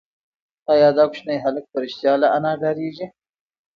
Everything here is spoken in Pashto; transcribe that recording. ایا دا کوچنی هلک په رښتیا له انا ډارېږي؟